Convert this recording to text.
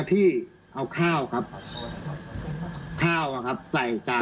พี่สาวอายุ๗ขวบก็ดูแลน้องดีเหลือเกิน